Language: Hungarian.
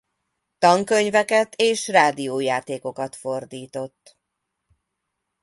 Tankönyveket és rádiójátékokat fordított.